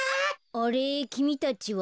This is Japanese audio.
あれきみたちは？